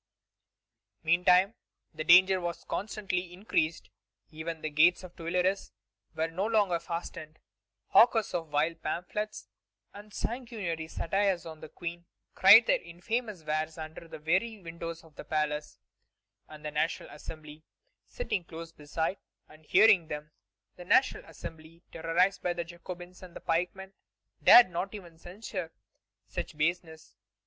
Meantime, the danger constantly increased. Even the gates of the Tuileries were no longer fastened. Hawkers of vile pamphlets and sanguinary satires on the Queen cried their infamous wares under the very windows of the palace; and the National Assembly, sitting close beside, and hearing them the National Assembly, terrorized by Jacobins and pikemen dared not even censure such baseness.